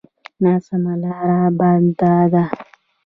ناسمه لاره بده ده.